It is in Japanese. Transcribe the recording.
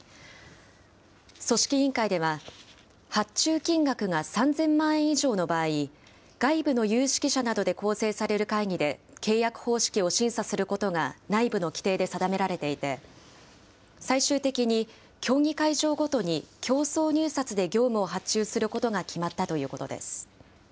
組織委員会では、発注金額が３０００万円以上の場合、外部の有識者などで構成される会議で、契約方式を審査することが内部の規定で定められていて、最終的に、競技会場ごとに競争入札で業務を発注することが決まったということです。